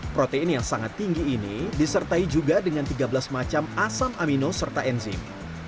protein yang sangat tinggi ini disertai juga dengan tiga belas macam asam amino serta enzim